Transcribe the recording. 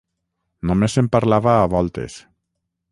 Només se'n parlava a voltes